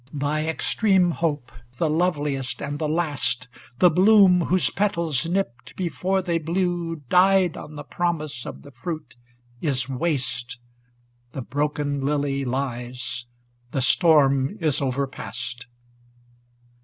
I'hy extreme hope, the loveliest and the last, The bloom, whose petals, nipped before they blew, Died on the promise of the fruit, is waste; The broken lily lies ŌĆö the storm is over past.